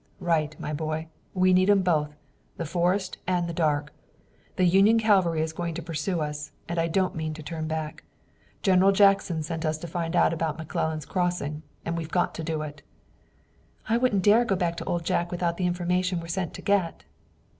"Right, my boy, we need 'em both, the forest and the dark. The Union cavalry is going to pursue us, and I don't mean to turn back. General Jackson sent us to find about McClellan's crossing, and we've got to do it." "I wouldn't dare go back to Old Jack without the information we're sent to get."